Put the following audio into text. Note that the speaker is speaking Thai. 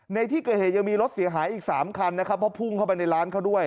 ในที่เกิดเหตุยังมีรถเสียหายอีก๓คันนะครับเพราะพุ่งเข้าไปในร้านเขาด้วย